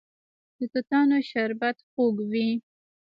د توتانو شربت خوږ وي.